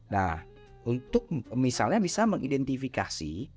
nah untuk misalnya bisa mengidentifikasi